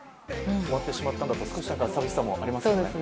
終わってしまったので少し寂しさもありますね。